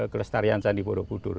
kelestarian candi borobudur